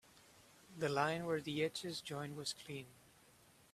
The line where the edges join was clean.